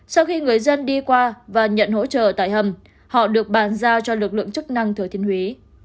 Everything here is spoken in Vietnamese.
sau khi người dân đi qua và nhận hỗ trợ tại hầm họ được bàn giao cho lực lượng chức năng thừa thiên huế